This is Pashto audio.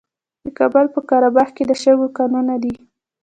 د کابل په قره باغ کې د شګو کانونه دي.